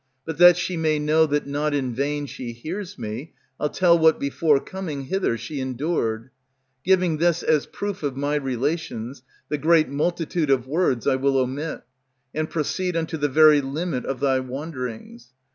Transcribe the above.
But that she may know that not in vain she hears me, I'll tell what before coming hither she endured, Giving this as proof of my relations. The great multitude of words I will omit, And proceed unto the very limit of thy wanderings.